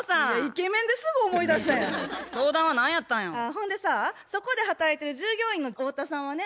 ほんでさそこで働いてる授業員の太田さんはね